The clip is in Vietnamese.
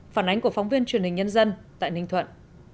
phản ánh của phóng viên truyền hình nhân dân tại ninh thuận